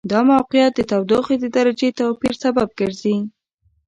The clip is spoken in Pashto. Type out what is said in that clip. دا موقعیت د تودوخې د درجې توپیر سبب ګرځي.